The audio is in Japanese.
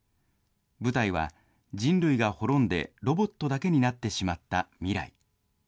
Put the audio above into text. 舞台は、人類が滅んでロボットだけになってしまった未来。